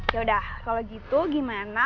yaudah kalau gitu gimana